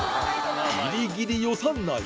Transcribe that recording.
ギリギリ予算内！